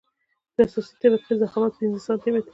د اساسي طبقې ضخامت پنځه سانتي متره دی